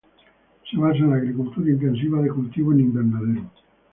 Se basa en la agricultura intensiva de cultivo en invernadero.